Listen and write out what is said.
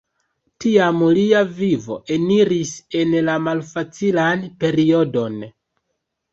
Tiam lia vivo eniris en la malfacilan periodon.